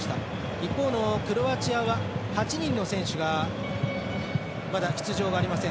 一方、クロアチアは８人の選手がまだ出場がありません。